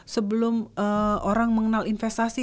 sebelum orang mengenal investasi